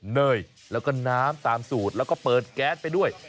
เนยแล้วก็น้ำตามสูตรแล้วก็เปิดแก๊สไปด้วย